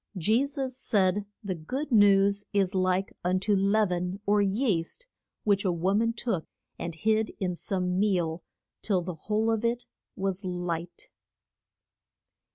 Je sus said the good news is like un to leav en or yeast, which a wo man took and hid in some meal till the whole of it was light.